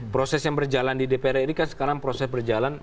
proses yang berjalan di dpr ini kan sekarang proses berjalan